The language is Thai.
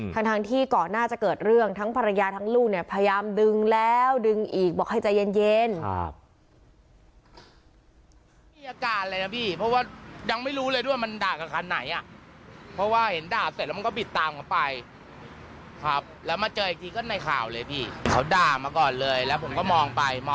ทั้งที่ก่อนหน้าจะเกิดเรื่องทั้งภรรยาทั้งลูกเนี่ยพยายามดึงแล้วดึงอีกบอกให้ใจเย็น